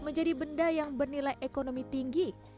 menjadi benda yang bernilai ekonomi tinggi